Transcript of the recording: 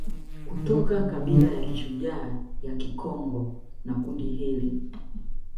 Kutoka kabila ya kishujaa ya Kikongo na kundi hili